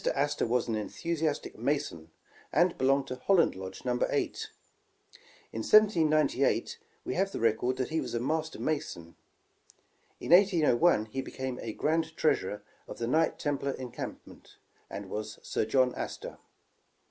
Astor was an enthusiastic Mason, and belonged to Holland Lodge No. 8. In 1798, we have the record that he was a Master Mason. In 1801, he became grand treasurer of the Knight Templar Encampment, and was Sir John Astor.